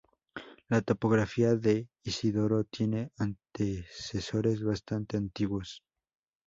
La topografía de Isidoro tiene antecesores bastante antiguos.